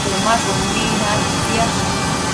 Temashumbi naidtsiash